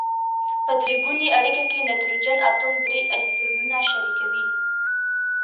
په درې ګونې اړیکه کې نایتروجن اتوم درې الکترونونه شریکوي.